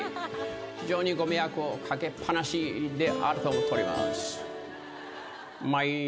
非常にご迷惑を掛けっ放しであると思っております。